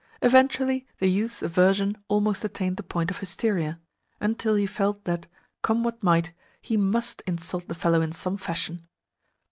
Eventually the youth's aversion almost attained the point of hysteria; until he felt that, come what might, he MUST insult the fellow in some fashion.